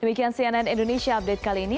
demikian cnn indonesia update kali ini